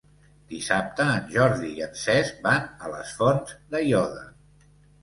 Dissabte en Jordi i en Cesc van a les Fonts d'Aiòder.